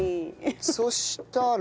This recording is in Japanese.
そうしたら。